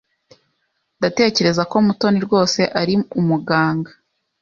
Ndatekereza ko Mutoni rwose ari umuganga.